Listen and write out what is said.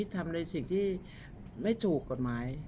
ทำสิ่งที่สูงกฎหมาย